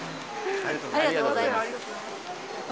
ありがとうございます。